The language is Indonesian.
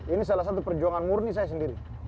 ini salah satu perjuangan murni saya sendiri